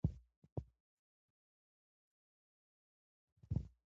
د اسلامی حکومت ځانګړتیاوي درې دي.